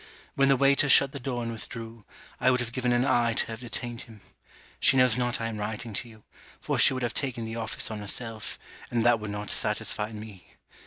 When the waiter shut the door and withdrew, I would have given an eye to have detained him. She knows not I am writing to you; for she would have taken the office on herself, and that would not satisfy me.